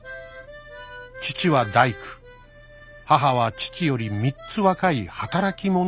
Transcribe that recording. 父は大工母は父より三つ若い働き者の女性でした。